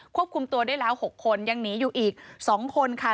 ควบคุมตัวได้แล้ว๖คนยังหนีอยู่อีก๒คนค่ะ